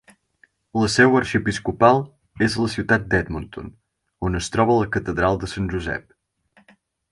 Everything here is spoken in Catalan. La seu arxiepiscopal és la ciutat d'Edmonton, on es troba la catedral de Sant Josep.